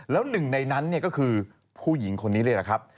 แล้วหนึ่งในนั้นก็คือผู้หญิงคนนี้เลยแหละครับ